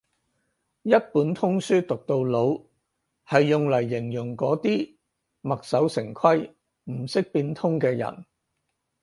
一本通書讀到老係用嚟形容嗰啲墨守成規唔識變通嘅人